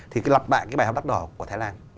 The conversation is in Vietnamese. thì cái lặp lại cái bài học đắt đỏ của thái lan